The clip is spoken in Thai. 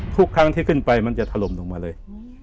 ทุกครั้งที่ขึ้นไปมันจะถล่มลงมาเลย